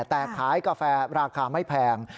แต่ขายกาแฟราคาไม่แพง